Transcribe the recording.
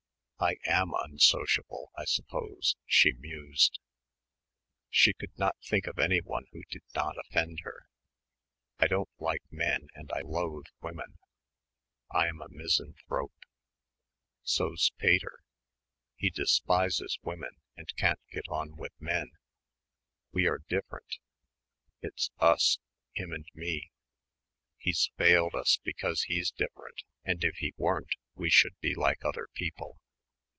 I am unsociable, I suppose she mused. She could not think of anyone who did not offend her. I don't like men and I loathe women. I am a misanthrope. So's Pater. He despises women and can't get on with men. We are different it's us, him and me. He's failed us because he's different and if he weren't we should be like other people.